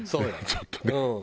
ちょっとね。